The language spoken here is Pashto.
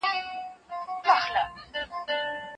په افغانستان کې کلتور د هر کور رڼا ده.